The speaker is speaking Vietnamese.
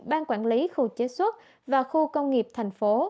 bang quản lý khu chế xuất và khu công nghiệp tp hcm